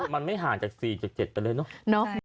มันไม่ห่างจาก๔๗๗ไปเลยเนอะ